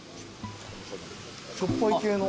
しょっぱい系の。